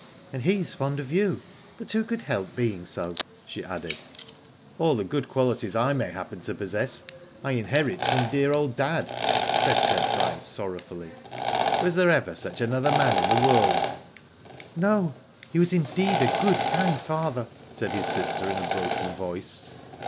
*' And he's fond of you ; but who could help being so," she added. '' All the good qualities I may happen to possess I inherit from dear old dad," said Ted Bryce, Digitized by Google THE NEW MEMBER. yj sorrowfully. Was there ever such another man in the world ?''*' No. He was indeed, a good, kind father," said his sister, in a broken voice.